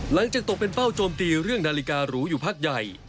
ตกเป็นเป้าโจมตีเรื่องนาฬิการูอยู่พักใหญ่